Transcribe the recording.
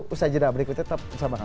usaha jenah berikutnya tetap bersama kami